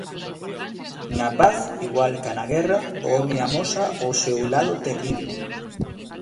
Na paz, igual ca na guerra, o home amosa o seu lado terrible.